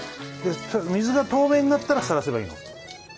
水が透明になったらさらせばいいの。